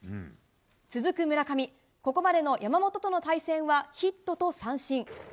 続く村上ここまでの山本との対戦はヒットと三振。